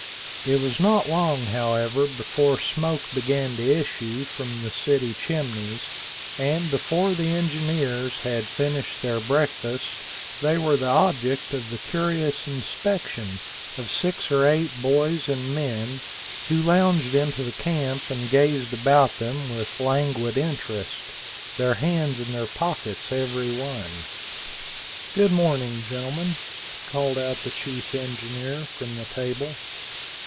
It was not long, however, before smoke began to issue from the city chimneys; and before the engineers had finished their breakfast they were the object of the curious inspection of six or eight boys and men, who lounged into the camp and gazed about them with languid interest, their hands in their pockets every one. "Good morning; gentlemen," called out the chief engineer, from the table.